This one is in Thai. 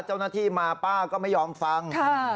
เจ้าหน้าที่มาป้าก็ไม่ยอมฟัง